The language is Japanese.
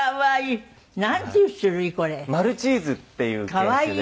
マルチーズっていう犬種で。